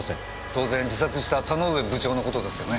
当然自殺した田ノ上部長の事ですよね？